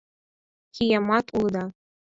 — Киямат улыда!